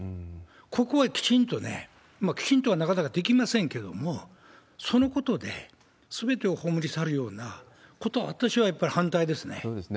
ここはきちんとね、きちんとはなかなかできませんけれども、そのことですべてを葬り去るようなことは、私はやっぱり反対ですそうですね。